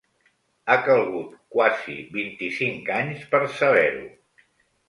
Ha calgut quasi vint-i-cinc anys per saber-ho.